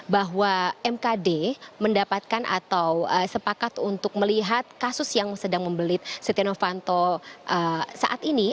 bahwa mkd mendapatkan atau sepakat untuk melihat kasus yang sedang membelit setia novanto saat ini